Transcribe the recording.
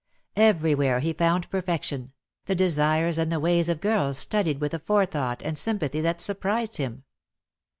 Everywhere he found perfection, the desires and the ways of girls studied with a forethought and sym pathy that surprised him.